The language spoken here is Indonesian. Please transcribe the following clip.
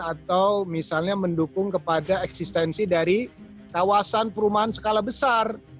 atau misalnya mendukung kepada eksistensi dari kawasan perumahan skala besar